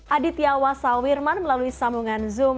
aditya wasawirman melalui sambungan zoom